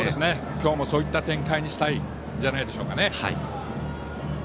今日もそういった展開にしたいんじゃないでしょうかね。